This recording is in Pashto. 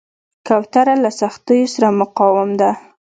کوتره له سختیو سره مقاوم ده.